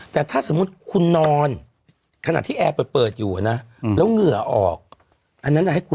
ฉันก็อ่ายเถอะ